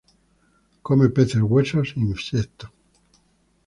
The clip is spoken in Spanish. Come peces hueso e insectos.